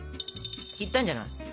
いったんじゃない？